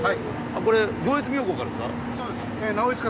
これ上越妙高からですか？